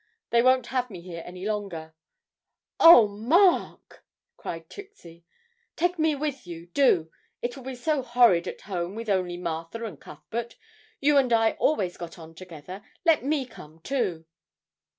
They won't have me here any longer!' 'Oh, Mark!' cried Trixie. 'Take me with you, do, it will be so horrid at home with only Martha and Cuthbert. You and I always got on together; let me come too!'